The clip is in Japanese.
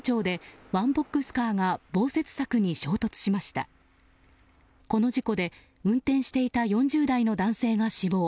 この事故で運転していた４０代の男性が死亡。